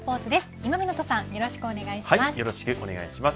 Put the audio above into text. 今湊さんよろしくお願いします。